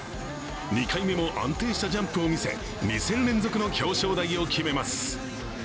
２回目も安定したジャンプを見せ２戦連続の表彰台を決めます。